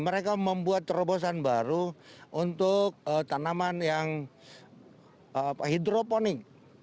mereka membuat terobosan baru untuk tanaman yang hidroponik